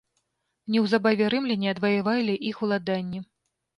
Неўзабаве рымляне адваявалі іх уладанні.